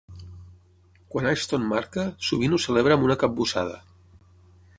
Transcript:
Quan Ashton marca, sovint ho celebra amb una "capbussada".